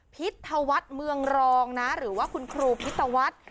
พิธวัฏเมืองรองหรือว่าคุณครูพิธวัฏ